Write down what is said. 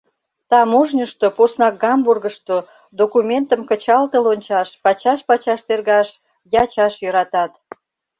Таможньышто, поснак Гамбургышто, документым кычалтыл ончаш, пачаш-пачаш тергаш, ячаш йӧратат...